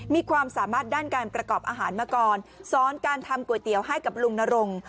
มีความสามารถด้านการประกอบอาหารมาก่อนสอนการทำก๋วยเตี๋ยวให้กับลุงนรง